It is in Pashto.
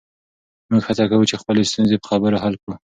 موږ هڅه کوو چې خپلې ستونزې په خبرو حل کړو.